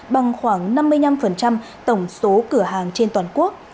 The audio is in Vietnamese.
bằng khoảng năm mươi năm tổng số cửa hàng trên toàn quốc